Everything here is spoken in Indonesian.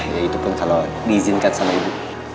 ya itu pun kalau diizinkan sama ibu